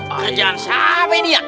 kerjaan siapa ini ya